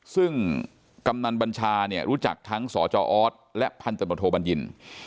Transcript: ซึ่งกำนันบัญชาเนี่ยรู้จักทั้งสจออสและพันธบทโทบัญญิน